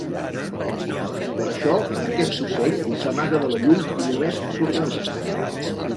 Per això, aquest ocell s'amaga de la llum i només surt de nit.